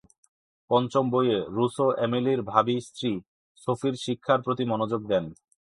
পঞ্চম বইয়ে, রুসো এমিলের ভাবী স্ত্রী সোফির শিক্ষার প্রতি মনোযোগ দেন।